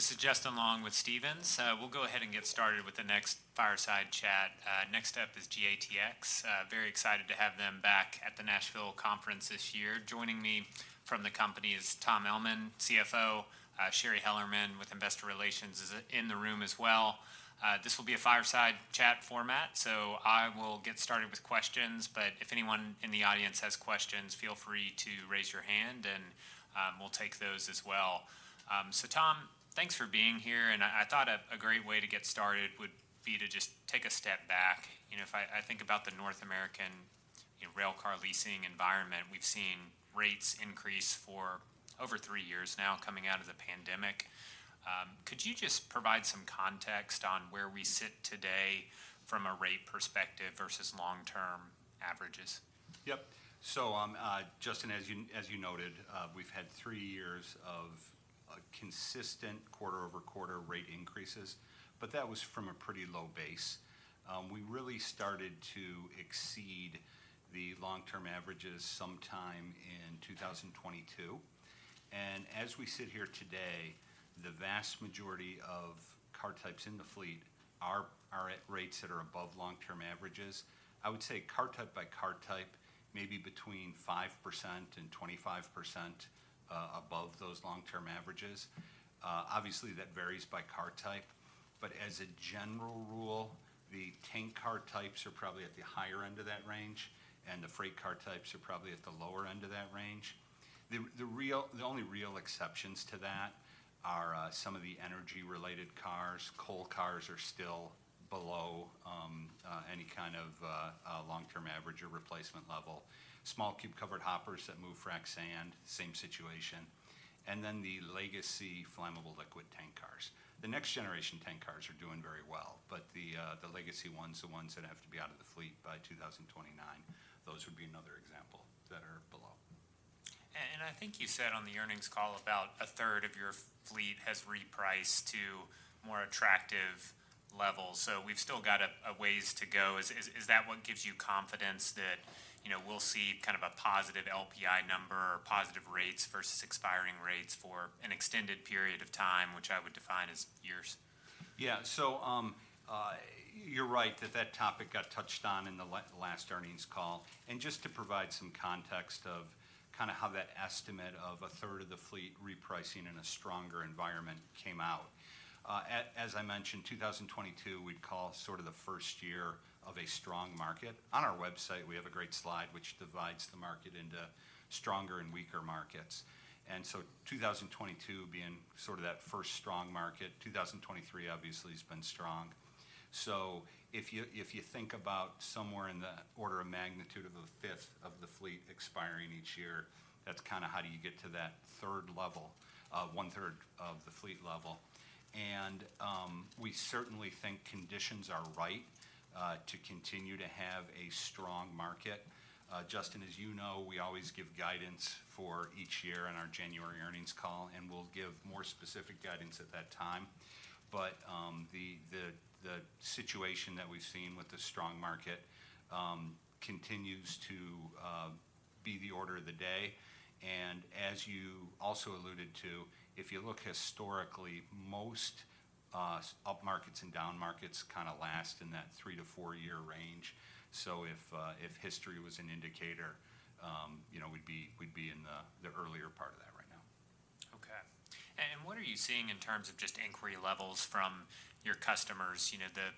This is Justin Long with Stephens. We'll go ahead and get started with the next fireside chat. Next up is GATX. Very excited to have them back at the Nashville conference this year. Joining me from the company is Tom Ellman, CFO. Shari Hellerman with Investor Relations is in the room as well. This will be a fireside chat format, so I will get started with questions, but if anyone in the audience has questions, feel free to raise your hand, and we'll take those as well. Tom, thanks for being here, and I thought a great way to get started would be to just take a step back. You know, if I think about the North American, you know, railcar leasing environment, we've seen rates increase for over three years now, coming out of the pandemic. Could you just provide some context on where we sit today from a rate perspective versus long-term averages? Yep. So, Justin, as you noted, we've had three years of consistent quarter-over-quarter rate increases, but that was from a pretty low base. We really started to exceed the long-term averages sometime in 2022, and as we sit here today, the vast majority of car types in the fleet are at rates that are above long-term averages. I would say car type by car type, maybe between 5% and 25% above those long-term averages. Obviously, that varies by car type, but as a general rule, the tank car types are probably at the higher end of that range, and the freight car types are probably at the lower end of that range. The only real exceptions to that are some of the energy-related cars. Coal cars are still below any kind of long-term average or replacement level. Small cube covered hoppers that move frac sand, same situation, and then the legacy flammable liquid tank cars. The next generation tank cars are doing very well, but the legacy ones, the ones that have to be out of the fleet by 2029, those would be another example that are below. I think you said on the earnings call, about a third of your fleet has repriced to more attractive levels, so we've still got a ways to go. Is that what gives you confidence that, you know, we'll see kind of a positive LPI number or positive rates versus expiring rates for an extended period of time, which I would define as years? Yeah. So, you're right that that topic got touched on in the last earnings call, and just to provide some context of kind of how that estimate of a third of the fleet repricing in a stronger environment came out. As I mentioned, 2022, we'd call sort of the first year of a strong market. On our website, we have a great slide which divides the market into stronger and weaker markets, and so 2023 obviously has been strong. If you think about somewhere in the order of magnitude of a fifth of the fleet expiring each year, that's kind of how do you get to that third level, one-third of the fleet level. We certainly think conditions are right to continue to have a strong market. Justin, as you know, we always give guidance for each year on our January earnings call, and we'll give more specific guidance at that time. The situation that we've seen with the strong market continues to be the order of the day. And as you also alluded to, if you look historically, most up markets and down markets kind of last in that three- to four-year range. So if history was an indicator, We'd be in the earlier part of that right now. Okay. What are you seeing in terms of just inquiry levels from your customers? You know, the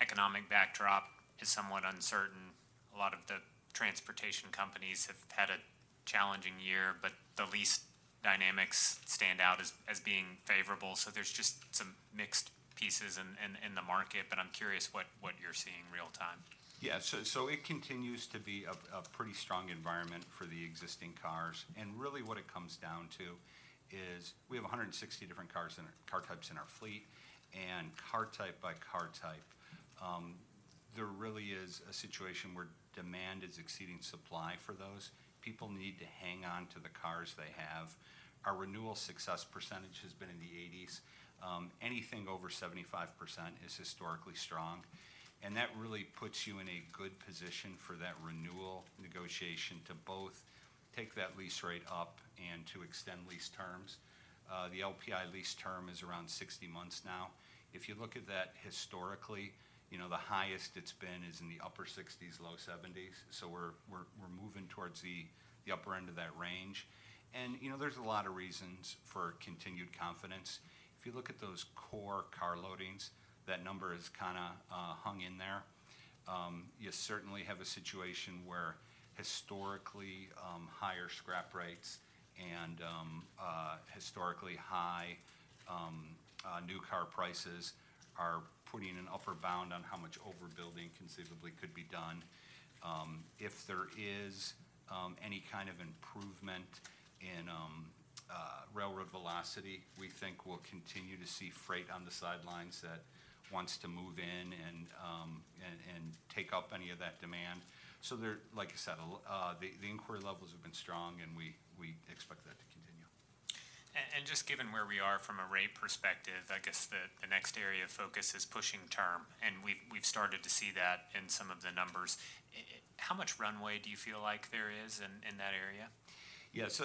economic backdrop is somewhat uncertain. A lot of the transportation companies have had a challenging year, but the lease dynamics stand out as being favorable. So there's just some mixed pieces in the market, but I'm curious what you're seeing real-time. It continues to be a pretty strong environment for the existing cars, and really what it comes down to is we have 160 different car types in our fleet. And car type by car type, there really is a situation where demand is exceeding supply for those. People need to hang on to the cars they have. Our renewal success percentage has been in the 80s. Anything over 75% is historically strong, and that really puts you in a good position for that renewal negotiation to both take that lease rate up and to extend lease terms. The LPI lease term is around 60 months now. If you look at that historically, you know, the highest it's been is in the upper 60s, low 70s. We're moving towards the upper end of that range. You know, there's a lot of reasons for continued confidence. If you look at those Core Car loadings, that number has kinda hung in there. You certainly have a situation where historically higher scrap rates and historically high new car prices are putting an upper bound on how much overbuilding conceivably could be done. If there is any kind of improvement in railroad velocity, we think we'll continue to see freight on the sidelines that wants to move in and take up any of that demand. Like I said, the inquiry levels have been strong, and we expect that to continue. And just given where we are from a rate perspective, I guess the next area of focus is pushing term, and we've started to see that in some of the numbers. How much runway do you feel like there is in that area? Yeah, so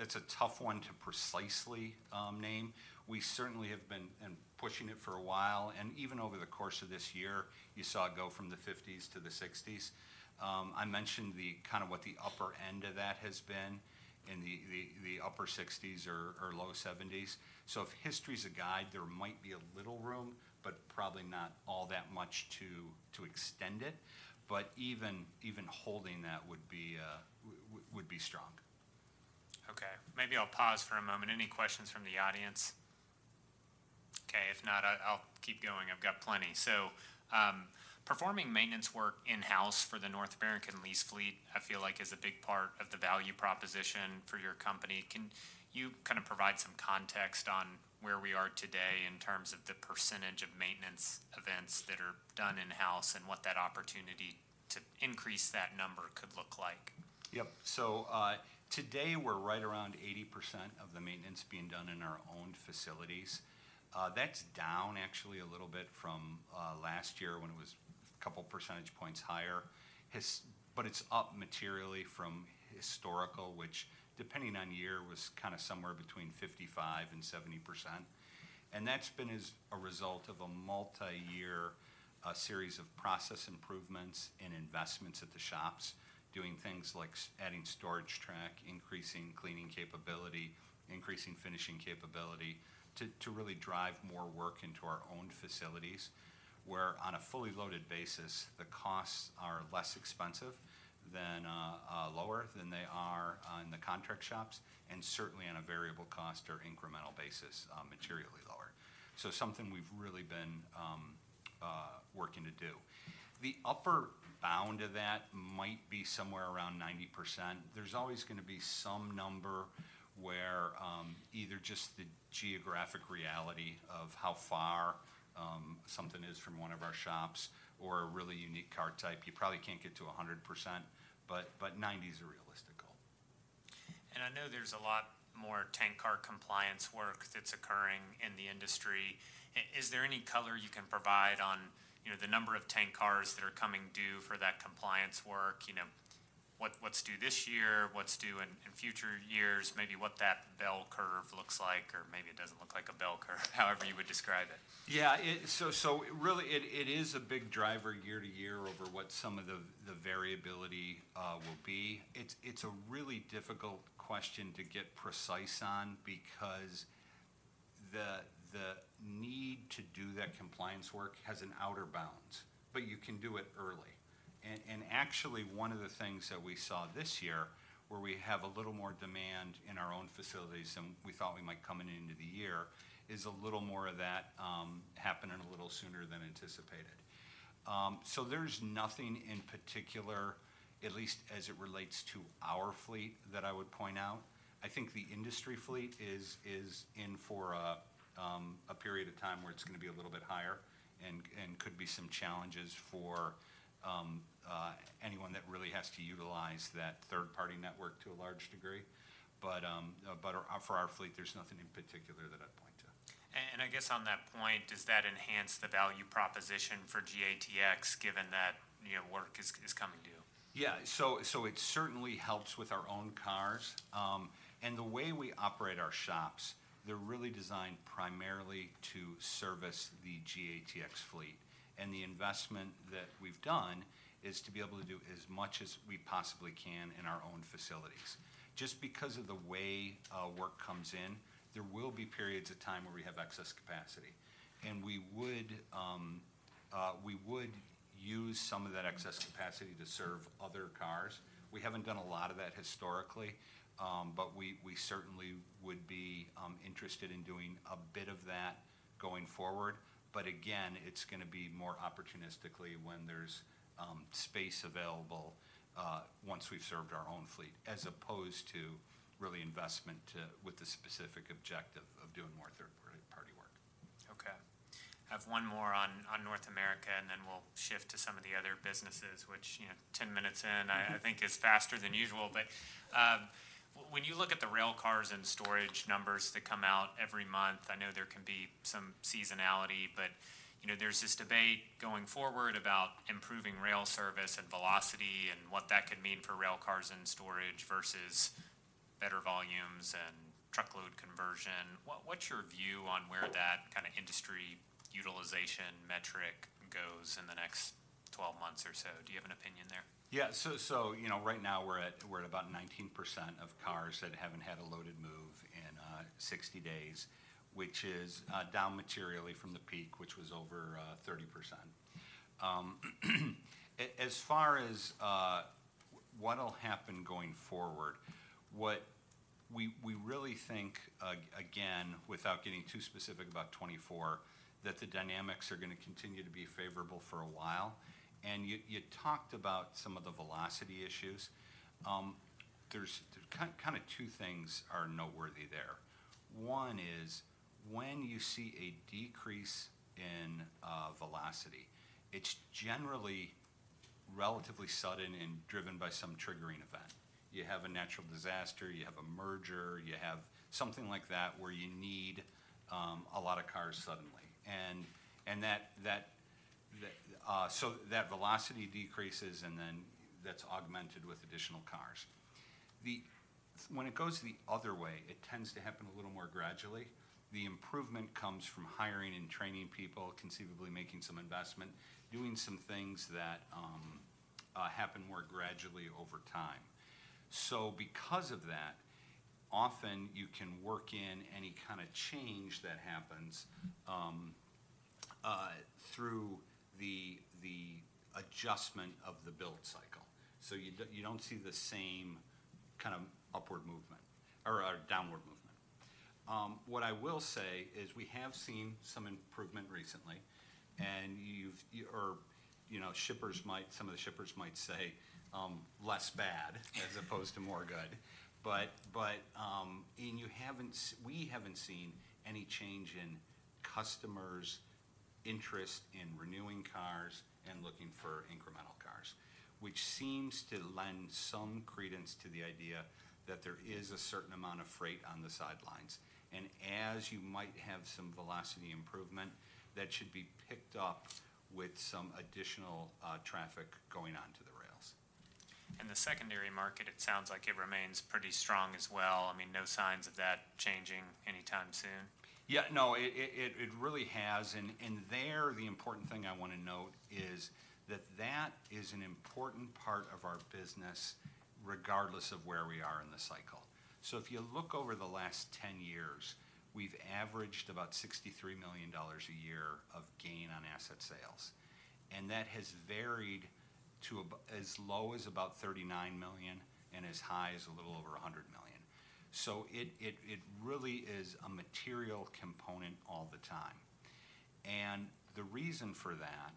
it's a tough one to precisely name. We certainly have been pushing it for a while, and even over the course of this year, you saw it go from the 50s to the 60s. I mentioned the kind of what the upper end of that has been, in the upper 60s or low 70s. So if history is a guide, there might be a little room, but probably not all that much to extend it. But even holding that would be strong. Okay, maybe I'll pause for a moment. Any questions from the audience? Okay, if not, I'll keep going. I've got plenty. Performing maintenance work in-house for the North American lease fleet, I feel like is a big part of the value proposition for your company. Can you kind of provide some context on where we are today in terms of the percentage of maintenance events that are done in-house, and what that opportunity to increase that number could look like? Today, we're right around 80% of the maintenance being done in our own facilities. That's down actually a little bit from last year when it was a couple percentage points higher. But it's up materially from historical, which, depending on year, was kind of somewhere between 55%-70%, and that's been as a result of a multi-year series of process improvements and investments at the shops, doing things like adding storage track, increasing cleaning capability, increasing finishing capability, to really drive more work into our own facilities, where on a fully loaded basis, the costs are less expensive than lower than they are on the contract shops, and certainly on a variable cost or incremental basis, materially lower. So something we've really been working to do. The upper bound of that might be somewhere around 90%. There's always gonna be some number where, either just the geographic reality of how far, something is from one of our shops or a really unique car type, you probably can't get to 100%, but, but 90 is a realistic goal. I know there's a lot more tank car compliance work that's occurring in the industry. Is there any color you can provide on, you know, the number of tank cars that are coming due for that compliance work? You know, what, what's due this year, what's due in future years, maybe what that bell curve looks like, or maybe it doesn't look like a bell curve, however you would describe it. It is a big driver year to year over what some of the variability will be. It's a really difficult question to get precise on because the need to do that compliance work has outer bounds, but you can do it early. And actually, one of the things that we saw this year, where we have a little more demand in our own facilities than we thought we might coming into the year, is a little more of that happening a little sooner than anticipated. There's nothing in particular, at least as it relates to our fleet, that I would point out. I think the industry fleet is in for a period of time where it's gonna be a little bit higher and could be some challenges for anyone that really has to utilize that third-party network to a large degree. But for our fleet, there's nothing in particular that I'd point to. I guess on that point, does that enhance the value proposition for GATX, given that, you know, work is coming due? Yeah. So, so it certainly helps with our own cars. And the way we operate our shops, they're really designed primarily to service the GATX fleet. The investment that we've done is to be able to do as much as we possibly can in our own facilities. Just because of the way work comes in, there will be periods of time where we have excess capacity, and we would use some of that excess capacity to serve other cars. We haven't done a lot of that historically, but we certainly would be interested in doing a bit of that going forward. But again, it's gonna be more opportunistically when there's space available, once we've served our own fleet, as opposed to really investment with the specific objective of doing more third party work. Okay. I have one more on North America, and then we'll shift to some of the other businesses, which, you know, ten minutes in- Mm-hmm. I think it's faster than usual. But when you look at the railcars in storage numbers that come out every month, I know there can be some seasonality, but you know, there's this debate going forward about improving rail service and velocity and what that could mean for railcars in storage versus better volumes and truckload conversion. What's your view on where that kind of industry utilization metric goes in the next 12 months or so? Do you have an opinion there? Yeah. Right now we're at about 19% of cars that haven't had a loaded move in 60 days, which is down materially from the peak, which was over 30%. As far as what will happen going forward, what we really think, again, without getting too specific about 2024, that the dynamics are gonna continue to be favorable for a while. And you talked about some of the velocity issues. There are kind of two things that are noteworthy there. One is, when you see a decrease in velocity, it's generally relatively sudden and driven by some triggering event. You have a natural disaster, you have a merger, you have something like that, where you need a lot of cars suddenly. So that velocity decreases, and then that's augmented with additional cars. When it goes the other way, it tends to happen a little more gradually. The improvement comes from hiring and training people, conceivably making some investment, doing some things that happen more gradually over time. Because of that, often you can work in any kind of change that happens through the adjustment of the build cycle, so you don't see the same kind of upward movement or downward movement. What I will say is we have seen some improvement recently, and you've or, you know, shippers might—some of the shippers might say, less bad as opposed to more good. But we haven't seen any change in customers' interest in renewing cars and looking for incremental cars, which seems to lend some credence to the idea that there is a certain amount of freight on the sidelines. As you might have some velocity improvement, that should be picked up with some additional traffic going onto the rails. The secondary market, it sounds like it remains pretty strong as well. I mean, no signs of that changing anytime soon? Yeah, no, it really has, and there, the important thing I wanna note is that that is an important part of our business, regardless of where we are in the cycle. If you look over the last 10 years, we've averaged about $63 million a year of gain on asset sales, and that has varied to as low as about $39 million and as high as a little over $100 million. It really is a material component all the time. The reason for that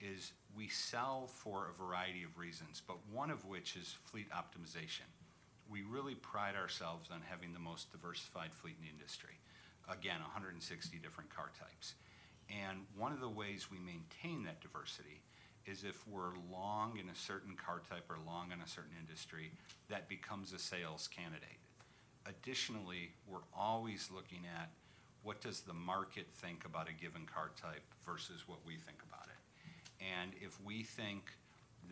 is, we sell for a variety of reasons, but one of which is fleet optimization. We really pride ourselves on having the most diversified fleet in the industry. Again, 160 different car types. One of the ways we maintain that diversity is, if we're long in a certain car type or long in a certain industry, that becomes a sales candidate. Additionally, we're always looking at, what does the market think about a given car type versus what we think about it? If we think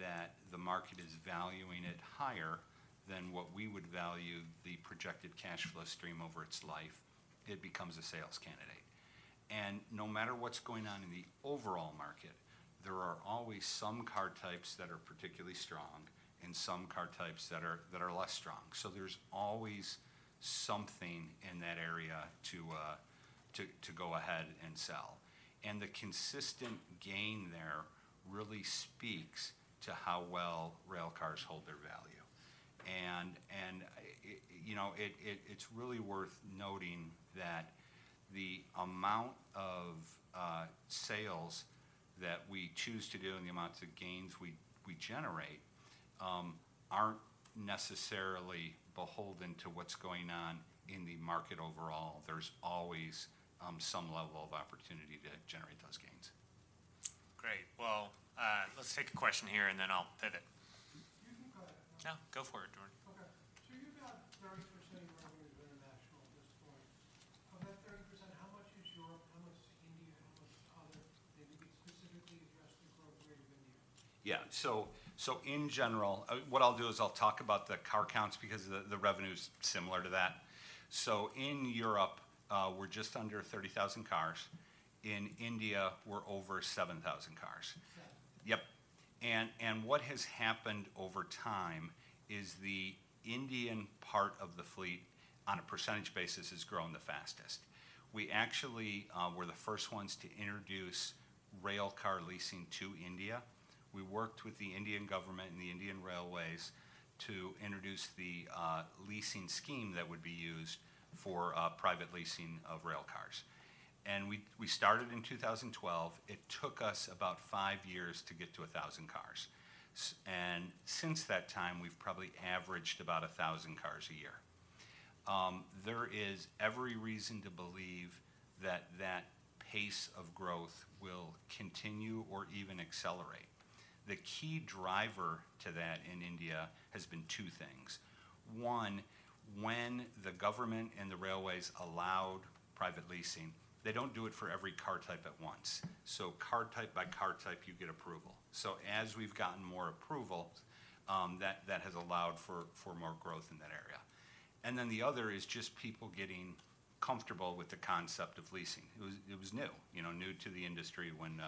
that the market is valuing it higher than what we would value the projected cash flow stream over its life, it becomes a sales candidate. No matter what's going on in the overall market, there are always some car types that are particularly strong and some car types that are less strong. There's always something in that area to go ahead and sell. The consistent gain there really speaks to how well railcars hold their value. It's really worth noting that the amount of sales that we choose to do and the amounts of gains we generate aren't necessarily beholden to what's going on in the market overall. There's always some level of opportunity to generate those gains. Great! Well, let's take a question here, and then I'll pivot. You can go ahead. No, go for it, Jordan. Okay. So you've got 30% of your revenue is international at this point. Of that 30%, how much is Europe, how much is India, and how much other? Maybe specifically address the corporate revenue. Yeah. In general, what I'll do is I'll talk about the car counts because the revenue is similar to that. In Europe, we're just under 30,000 cars. In India, we're over 7,000 cars. Yeah. Yep. And, and what has happened over time is the Indian part of the fleet, on a percentage basis, has grown the fastest. We actually were the first ones to introduce railcar leasing to India. We worked with the Indian government and the Indian Railways to introduce the leasing scheme that would be used for private leasing of railcars. We, we started in 2012. It took us about 5 years to get to 1,000 cars, and since that time, we've probably averaged about 1,000 cars a year. There is every reason to believe that that pace of growth will continue or even accelerate. The key driver to that in India has been two things. One, when the government and the railways allowed private leasing, they don't do it for every car type at once. Car type by car type, you get approval. As we've gotten more approval, that has allowed for more growth in that area. The other is just people getting comfortable with the concept of leasing. It was new, you know, new to the industry when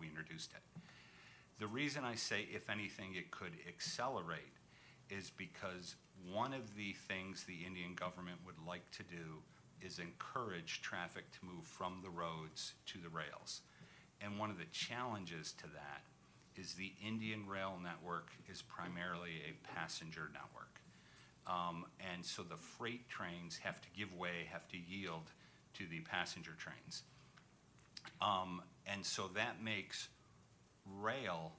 we introduced it. The reason I say, if anything, it could accelerate, is because one of the things the Indian government would like to do is encourage traffic to move from the roads to the rails, and one of the challenges to that is the Indian rail network is primarily a passenger network, and so the freight trains have to give way, have to yield to the passenger trains. And so that makes rail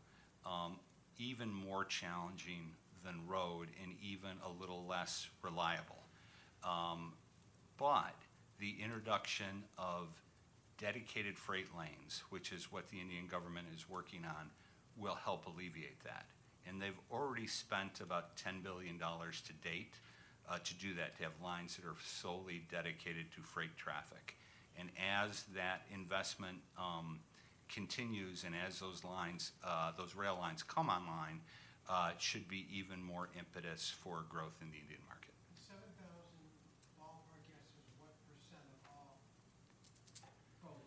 even more challenging than road and even a little less reliable. But the introduction of dedicated freight lanes, which is what the Indian government is working on, will help alleviate that. And they've already spent about $10 billion to date, to do that, to have lines that are solely dedicated to freight traffic and as that investment continues, and as those lines, those rail lines come online, it should be even more impetus for growth in the Indian market. 7,000 of all of our cars is what percent of all, both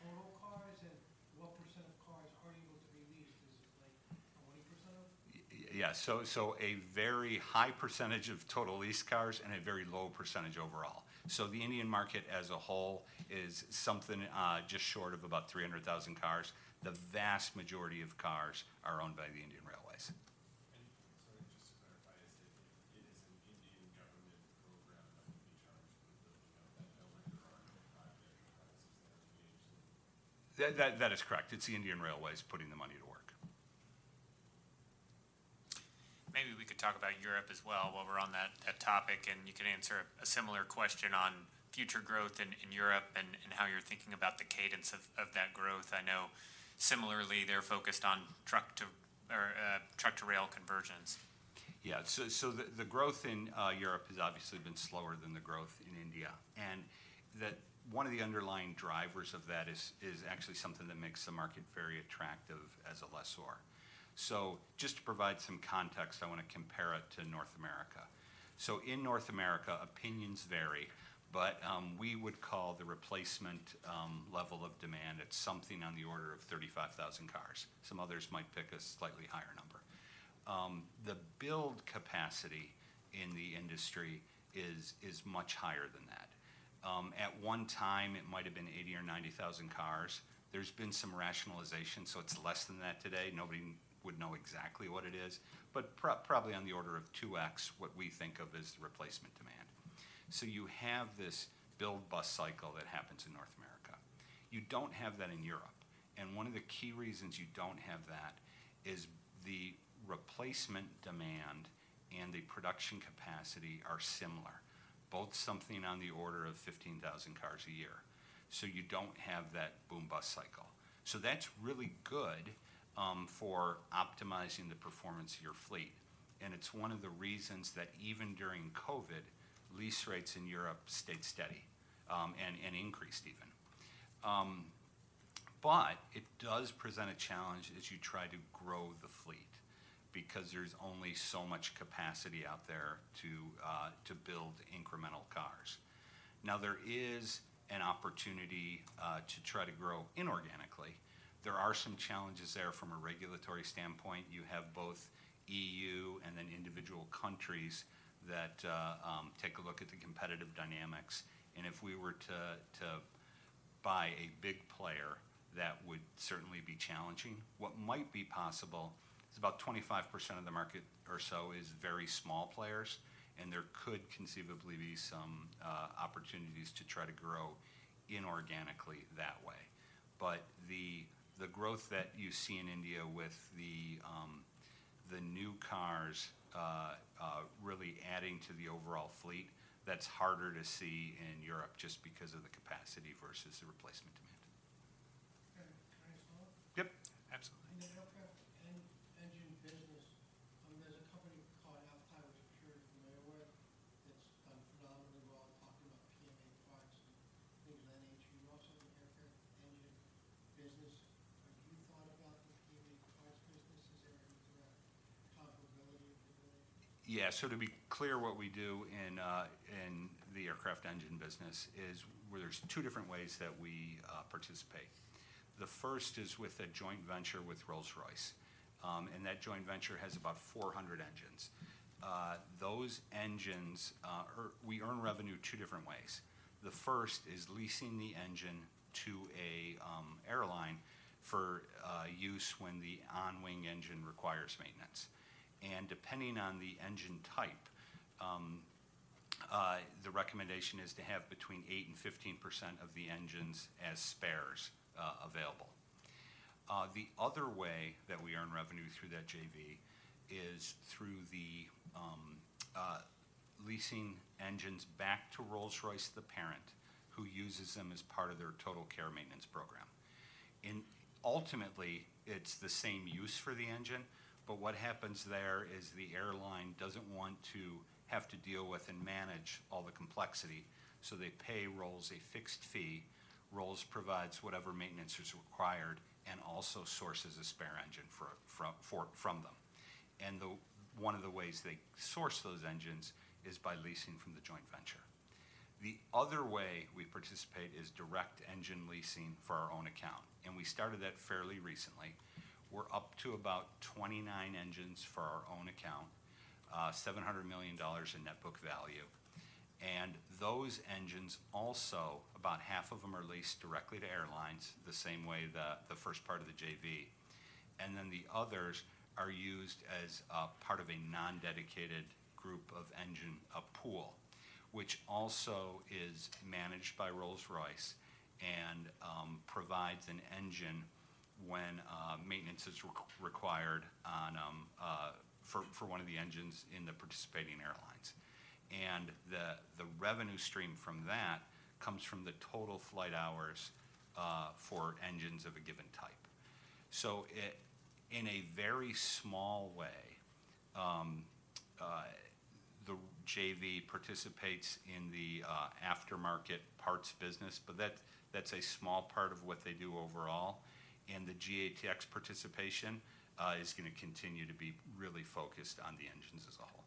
total cars and what percent of cars are able to be leased? Is it, like, 20% of them? A very high percentage of total leased cars and a very low percentage overall. The Indian market as a whole is something just short of about 300,000 cars. The vast majority of cars are owned by the Indian Railways. Sorry, just to clarify, it is an Indian government program that would be charged with building out that network or are they partnering with private businesses there to do so? That is correct. It's the Indian Railways putting the money to work. Maybe we could talk about Europe as well, while we're on that topic, and you can answer a similar question on future growth in Europe and how you're thinking about the cadence of that growth. I know similarly, they're focused on truck-to-rail conversions. Yeah. The growth in Europe has obviously been slower than the growth in India, and that one of the underlying drivers of that is actually something that makes the market very attractive as a lessor. Just to provide some context, I want to compare it to North America.In North America, opinions vary, but we would call the replacement level of demand at something on the order of 35,000 cars. Some others might pick a slightly higher number. The build capacity in the industry is much higher than that. At one time, it might have been 80,000 or 90,000 cars. There's been some rationalization, so it's less than that today. Nobody would know exactly what it is, but probably on the order of 2X what we think of as the replacement demand. So you have this build-bust cycle that happens in North America. You don't have that in Europe, and one of the key reasons you don't have that is the replacement demand and the production capacity are similar, both something on the order of 15,000 cars a year. You don't have that boom-bust cycle. That's really good for optimizing the performance of your fleet, and it's one of the reasons that even during COVID, lease rates in Europe stayed steady, and increased even. But it does present a challenge as you try to grow the fleet because there's only so much capacity out there to build incremental cars. Now, there is an opportunity to try to grow inorganically. There are some challenges there from a regulatory standpoint. You have both EU and then individual countries that take a look at the competitive dynamics, and if we were to buy a big player, that would certainly be challenging. What might be possible is about 25% of the market or so is very small players, and there could conceivably be some opportunities to try to grow inorganically that way. But the growth that you see in India with the new cars really adding to the overall fleet, that's harder to see in Europe just because of the capacity versus the replacement demand. Can I, can I follow up? Yep, absolutely. In the aircraft engine business, there's a company called Aptiv Security middleware that's predominantly well talking about PMA parts and things of that nature, also in the aircraft engine business. Have you thought about the PMA parts business? Is there into that type of ability to do that? Yeah. To be clear, what we do in the aircraft engine business is where there's two different ways that we participate. The first is with a joint venture with Rolls-Royce, and that joint venture has about 400 engines. Those engines, we earn revenue two different ways. The first is leasing the engine to a airline for use when the on-wing engine requires maintenance. And depending on the engine type, the recommendation is to have between 8% and 15% of the engines as spares available. The other way that we earn revenue through that JV is through leasing engines back to Rolls-Royce, the parent, who uses them as part of their TotalCare maintenance program. Ultimately, it's the same use for the engine, but what happens there is the airline doesn't want to have to deal with and manage all the complexity, so they pay Rolls a fixed fee. Rolls provides whatever maintenance is required and also sources a spare engine from them. One of the ways they source those engines is by leasing from the joint venture. The other way we participate is direct engine leasing for our own account, and we started that fairly recently. We're up to about 29 engines for our own account, $700 million in net book value. Those engines also, about half of them are leased directly to airlines, the same way the first part of the JV, and then the others are used as a part of a non-dedicated group of engine, a pool, which also is managed by Rolls-Royce and provides an engine when maintenance is required for one of the engines in the participating airlines. And the revenue stream from that comes from the total flight hours for engines of a given type. So in a very small way, the JV participates in the aftermarket parts business, but that's a small part of what they do overall. And the GATX participation is gonna continue to be really focused on the engines as a whole.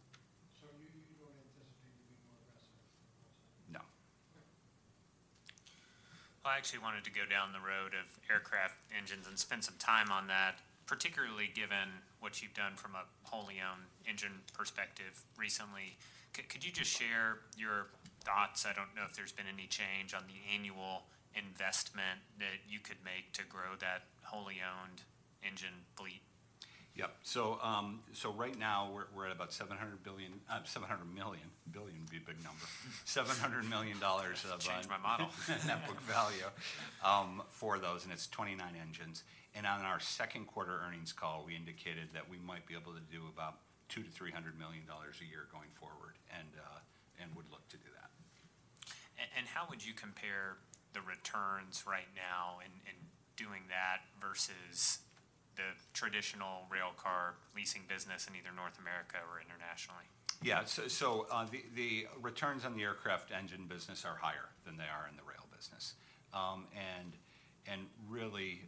So you don't anticipate it being more aggressive than those? No. Okay. Well, I actually wanted to go down the road of aircraft engines and spend some time on that, particularly given what you've done from a wholly owned engine perspective recently. Could you just share your thoughts? I don't know if there's been any change on the annual investment that you could make to grow that wholly owned engine fleet. Yep. So right now, we're at about 700 billion, 700 million. Billion would be a big number. $700 million of- Change my model. Net book value for those, and it's 29 engines. On our second quarter earnings call, we indicated that we might be able to do about $200 million-$300 million a year going forward, and would look to do that. And how would you compare the returns right now in doing that versus the traditional railcar leasing business in either North America or internationally? Yeah. The returns on the aircraft engine business are higher than they are in the rail business, And really,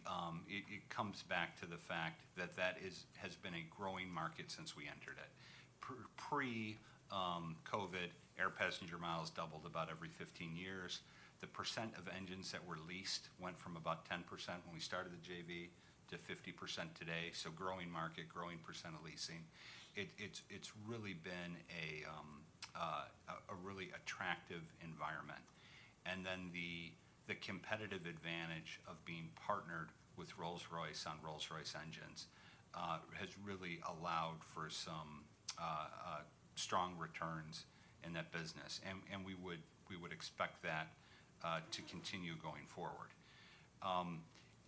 it comes back to the fact that that has been a growing market since we entered it. Pre-COVID, air passenger miles doubled about every 15 years. The percent of engines that were leased went from about 10% when we started the JV, to 50% today. So growing market, growing percent of leasing. It's really been a really attractive environment. And then the competitive advantage of being partnered with Rolls-Royce on Rolls-Royce engines has really allowed for some strong returns in that business. We would expect that to continue going forward.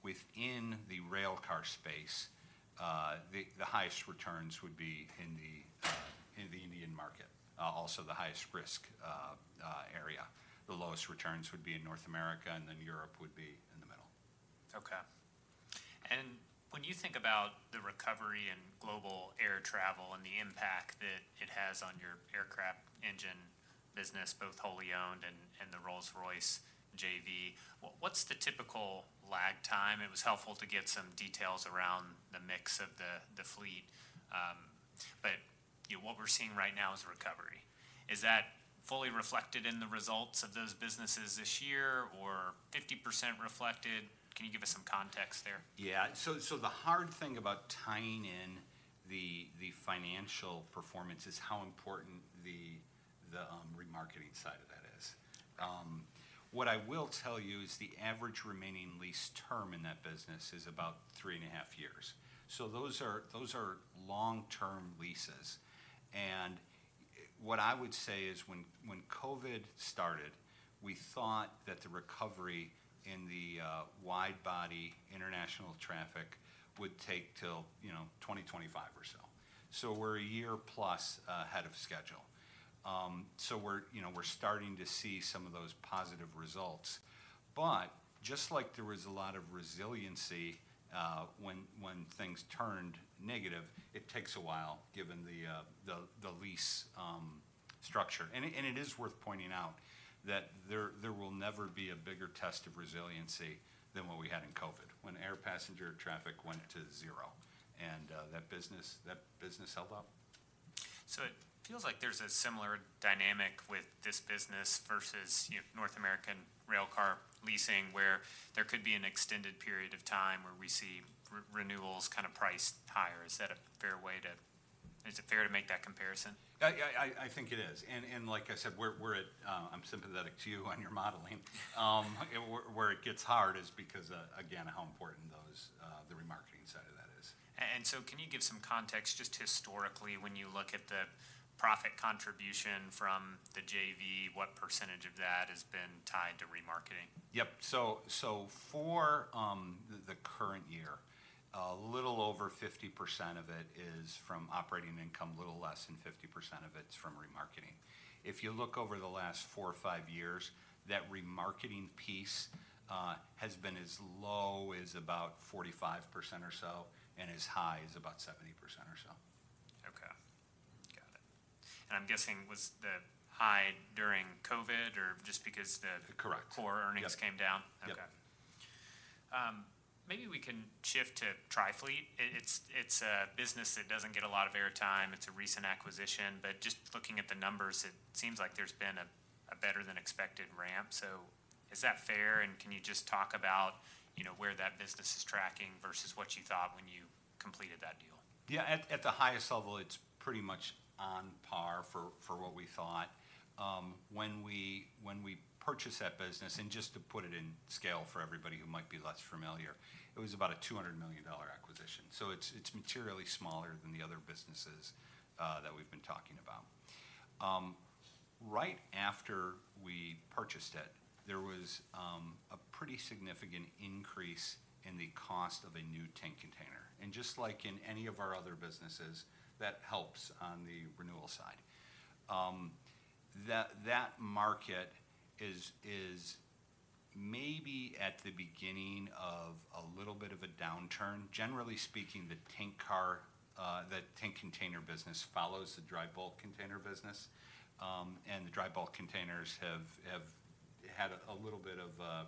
Within the railcar space, the highest returns would be in the Indian market, also the highest risk area. The lowest returns would be in North America, and then Europe would be in the middle. Okay. When you think about the recovery in global air travel and the impact that it has on your aircraft engine business, both wholly owned and the Rolls-Royce JV, what's the typical lag time? It was helpful to get some details around the mix of the fleet, but you know, what we're seeing right now is recovery. Is that fully reflected in the results of those businesses this year, or 50% reflected? Can you give us some context there? The hard thing about tying in the financial performance is how important the remarketing side of that is. What I will tell you is the average remaining lease term in that business is about three and a half years. Those are long-term leases. What I would say is when COVID started, we thought that the recovery in the wide-body international traffic would take till, you know, 2025 or so. So we're a year plus ahead of schedule. We're, you know, starting to see some of those positive results. But just like there was a lot of resiliency when things turned negative, it takes a while, given the lease structure. It is worth pointing out that there will never be a bigger test of resiliency than what we had in COVID, when air passenger traffic went to zero, and that business held up. It feels like there's a similar dynamic with this business versus, you know, North American railcar leasing, where there could be an extended period of time where we see re-renewals kind of priced higher. Is that a fair way to... Is it fair to make that comparison? I think it is, and like I said, we're at. I'm sympathetic to you on your modeling. Where it gets hard is because, again, how important those, the remarketing side of that is. Can you give some context just historically, when you look at the profit contribution from the JV, what percentage of that has been tied to remarketing? For the current year, a little over 50% of it is from operating income, a little less than 50% of it's from remarketing. If you look over the last four or five years, that remarketing piece has been as low as about 45% or so and as high as about 70% or so. Okay. Got it. And I'm guessing was the high during COVID or just because the- Correct core earnings came down? Yep. Okay. Maybe we can shift to Trifleet. It's a business that doesn't get a lot of airtime. It's a recent acquisition, but just looking at the numbers, it seems like there's been a better-than-expected ramp. Is that fair, and can you just talk about, you know, where that business is tracking versus what you thought when you completed that deal? Yeah. At the highest level, it's pretty much on par for what we thought. When we purchased that business, and just to put it in scale for everybody who might be less familiar, it was about $200 million. It's materially smaller than the other businesses that we've been talking about. Right after we purchased it, there was a pretty significant increase in the cost of a new tank container. And just like in any of our other businesses, that helps on the renewal side. That market is maybe at the beginning of a little bit of a downturn. Generally speaking, the tank car, the tank container business follows the dry bulk container business, and the dry bulk containers have had a little bit of a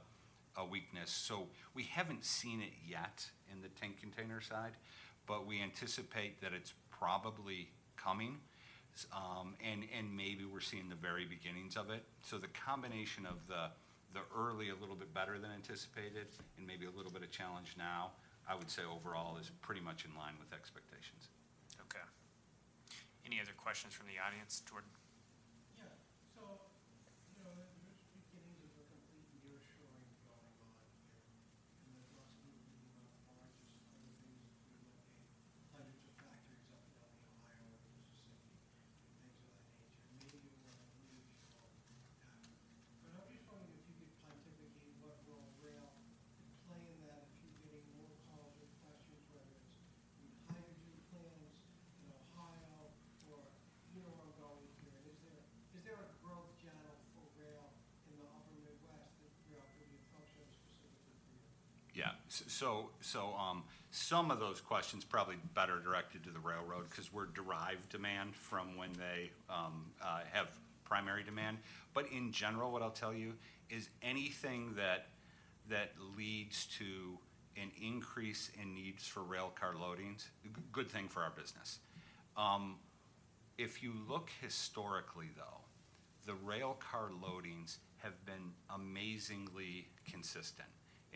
weakness. We haven't seen it yet in the tank container side, but we anticipate that it's probably coming, and maybe we're seeing the very beginnings of it. The combination of the early, a little bit better than anticipated and maybe a little bit of challenge now, I would say overall is pretty much in line with expectations. Okay. Any other questions from the audience? Jordan?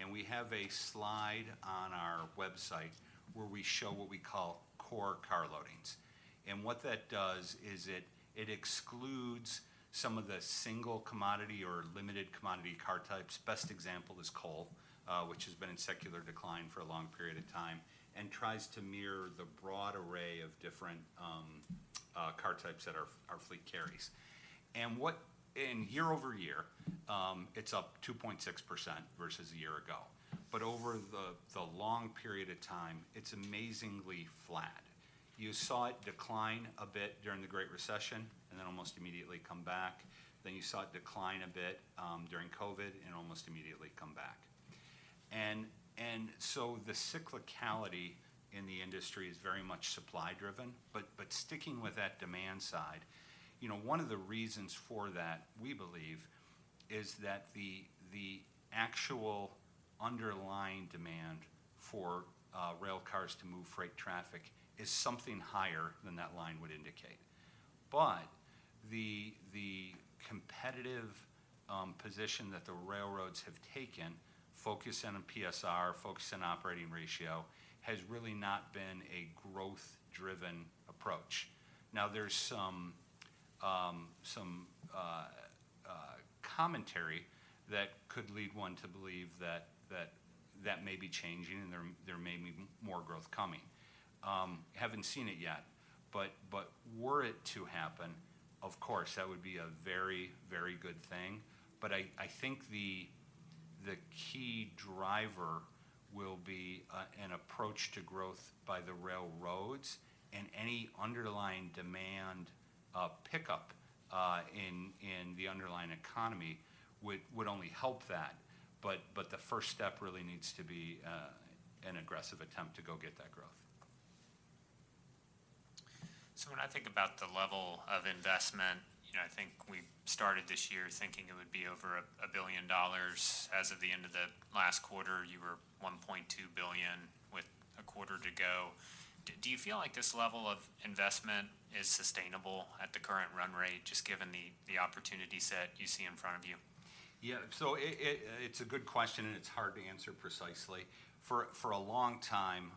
and we have a slide on our website where we show what we call Core car loadings. And what that does is it excludes some of the single commodity or limited commodity car types, best example is coal, which has been in secular decline for a long period of time, and tries to mirror the broad array of different car types that our fleet carries. Year-over-year, it's up 2.6% versus a year ago. But over the long period of time, it's amazingly flat. You saw it decline a bit during the Great Recession, and then almost immediately come back. Then you saw it decline a bit during COVID and almost immediately come back. The cyclicality in the industry is very much supply-driven. Sticking with that demand side, you know, one of the reasons for that, we believe, is that the actual underlying demand for railcars to move freight traffic is something higher than that line would indicate. But the competitive position that the railroads have taken, focusing on PSR, focusing on operating ratio, has really not been a growth-driven approach. Now, there's some commentary that could lead one to believe that that may be changing and there may be more growth coming. Haven't seen it yet, but were it to happen, of course, that would be a very, very good thing. But I think the key driver will be an approach to growth by the railroads, and any underlying demand pickup in the underlying economy would only help that. But the first step really needs to be an aggressive attempt to go get that growth. When I think about the level of investment, you know, I think we started this year thinking it would be over $1 billion. As of the end of the last quarter, you were $1.2 billion with a quarter to go. Do you feel like this level of investment is sustainable at the current run rate, just given the opportunity set you see in front of you? Yeah. It's a good question, and it's hard to answer precisely. For, for a long time,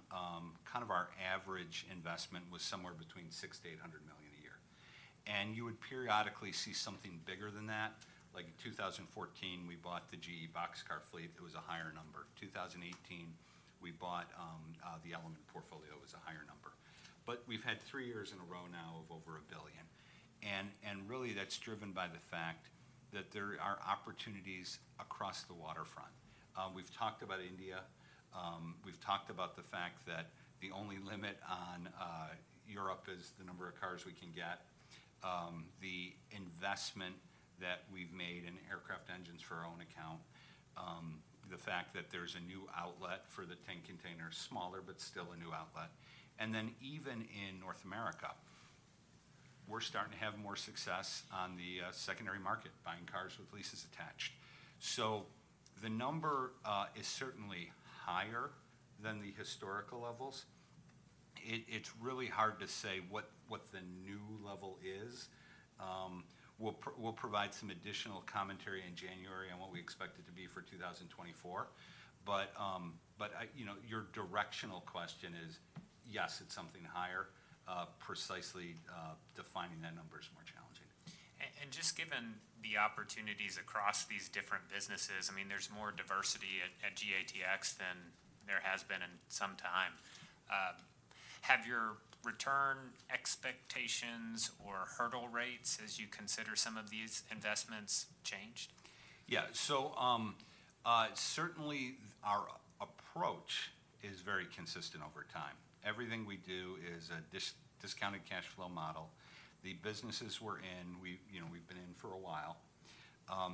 kind of our average investment was somewhere between $600 million-$800 million a year. And you would periodically see something bigger than that. Like in 2014, we bought the GE boxcar fleet. It was a higher number. In 2018, we bought the Element portfolio. It was a higher number. But we've had three years in a row now of over $1 billion, and, and really, that's driven by the fact that there are opportunities across the waterfront. We've talked about India. We've talked about the fact that the only limit on Europe is the number of cars we can get, the investment that we've made in aircraft engines for our own account, the fact that there's a new outlet for the tank container, smaller but still a new outlet. And then, even in North America, we're starting to have more success on the secondary market, buying cars with leases attached. The number is certainly higher than the historical levels. It's really hard to say what the new level is. We'll provide some additional commentary in January on what we expect it to be for 2024. But, you know, your directional question is, yes, it's something higher. Precisely defining that number is more challenging. And just given the opportunities across these different businesses, I mean, there's more diversity at GATX than there has been in some time. Have your return expectations or hurdle rates as you consider some of these investments changed? Yeah. Certainly our approach is very consistent over time. Everything we do is a discounted cash flow model. The businesses we're in, we've, you know, we've been in for a while,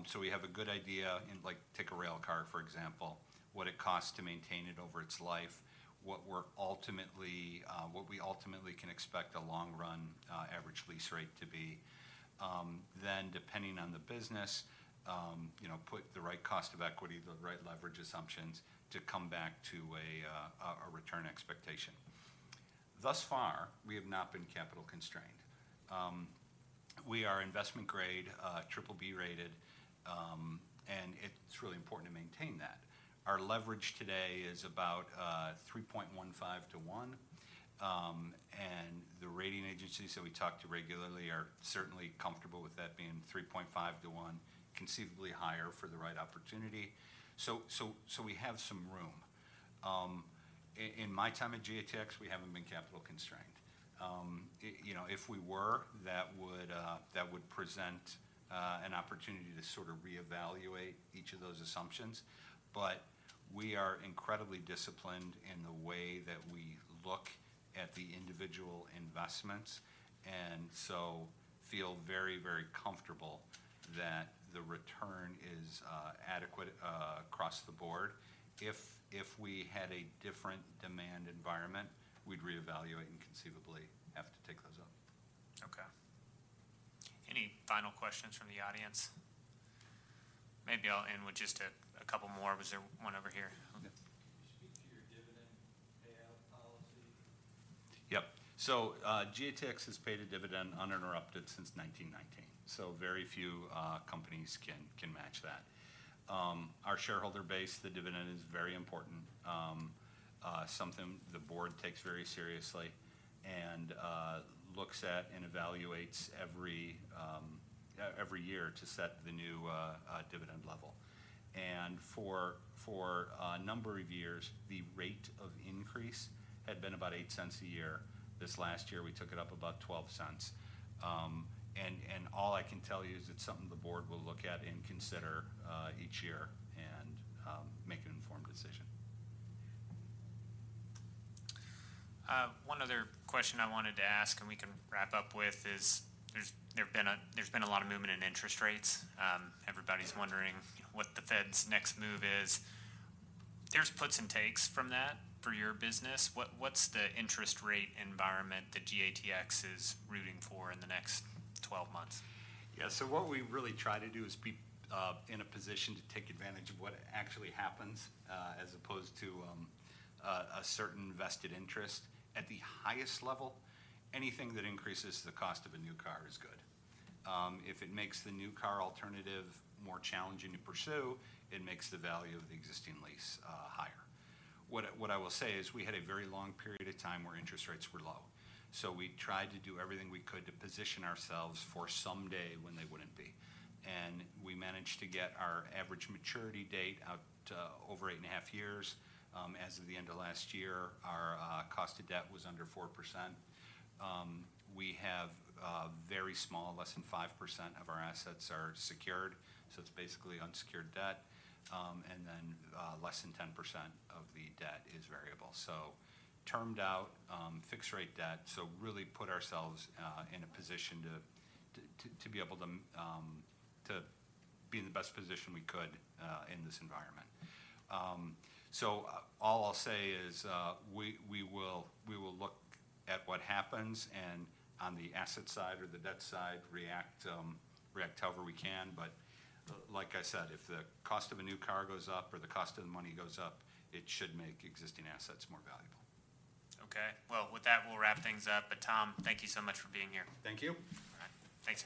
so we have a good idea, like, take a railcar, for example, what it costs to maintain it over its life, what we're ultimately—what we ultimately can expect a long-run average lease rate to be. Then, depending on the business, you know, put the right cost of equity, the right leverage assumptions to come back to a return expectation. Thus far, we have not been capital constrained. We are investment grade, BBB-rated, and it's really important to maintain that. Our leverage today is about 3.15 to 1. And the rating agencies that we talk to regularly are certainly comfortable with that being 3.5 to 1, conceivably higher for the right opportunity. We have some room. In my time at GATX, we haven't been capital constrained. You know, if we were, that would present an opportunity to sort of reevaluate each of those assumptions. But we are incredibly disciplined in the way that we look at the individual investments, and so feel very, very comfortable that the return is adequate across the board. If we had a different demand environment, we'd reevaluate and conceivably have to take those up. Okay. Any final questions from the audience? Maybe I'll end with just a couple more. Was there one over here? Okay. Can you speak to your dividend payout policy? Yep. GATX has paid a dividend uninterrupted since 1919, so very few companies can match that. Our shareholder base, the dividend is very important, something the board takes very seriously and looks at and evaluates every year to set the new dividend level. And for a number of years, the rate of increase had been about $0.08 a year. This last year, we took it up about $0.12. And all I can tell you is it's something the board will look at and consider each year and make an informed decision. One other question I wanted to ask, and we can wrap up with, is there's been a lot of movement in interest rates. Everybody's wondering what the Fed's next move is. There's puts and takes from that for your business. What's the interest rate environment that GATX is rooting for in the next 12 months? Yeah. What we really try to do is be in a position to take advantage of what actually happens as opposed to a certain vested interest. At the highest level, anything that increases the cost of a new car is good. If it makes the new car alternative more challenging to pursue, it makes the value of the existing lease higher. What I will say is we had a very long period of time where interest rates were low, so we tried to do everything we could to position ourselves for someday when they wouldn't be. And we managed to get our average maturity date out to over 8.5 years. As of the end of last year, our cost of debt was under 4%. We have very small, less than 5% of our assets are secured, so it's basically unsecured debt. And then, less than 10% of the debt is variable. So termed out, fixed-rate debt, so really put ourselves in a position to be able to be in the best position we could in this environment. So, all I'll say is, we will look at what happens, and on the asset side or the debt side, react however we can. But like I said, if the cost of a new car goes up or the cost of the money goes up, it should make existing assets more valuable. Okay. Well, with that, we'll wrap things up. But, Tom, thank you so much for being here. Thank you. All right. Thanks, everyone.